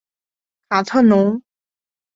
卡特农。